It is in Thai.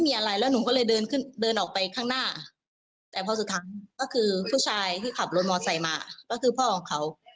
ในตอนนี้ก็คือแบบก็กดแล้ว๒แล้วมึงจะทำไม